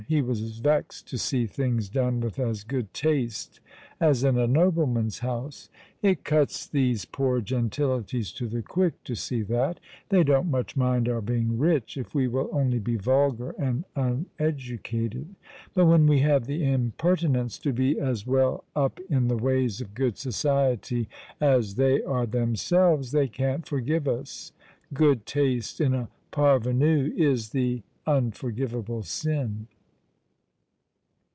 He was vexed to see things done with as good taste as in a nobleman's house. It cuts these poor gentilities to the quick to see that. They don't much mind our being rich, if we will only be vulgar and uneducated. But when we have the impertinence to be as well up in the ways of good society as they are themselves, they can't forgive us. Good taste in a parvenu is the unfor givable sin."